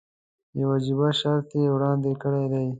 یو عجیب شرط یې وړاندې کړی دی.